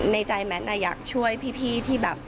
ในใจแมทอยากช่วยพี่ที่แบบ